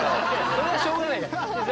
それはしょうがないから。